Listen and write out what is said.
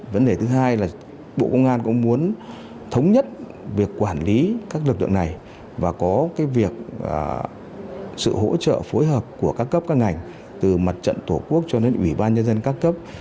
vấn đề thứ hai là bộ công an cũng muốn thống nhất việc quản lý các lực lượng này và có việc sự hỗ trợ phối hợp của các cấp các ngành từ mặt trận tổ quốc cho đến ủy ban nhân dân các cấp